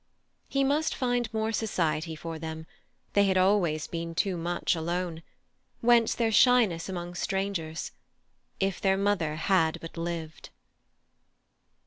He must find more society for them; they had always been too much alone, whence their shyness among strangers. If their mother had but lived!